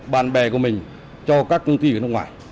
bạn bè của mình cho các công ty ở nước ngoài